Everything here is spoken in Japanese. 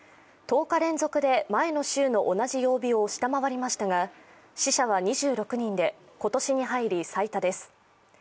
１０日連続で、前の週の同じ曜日を下回りましたが死者は２６人で、今年に入り最多です。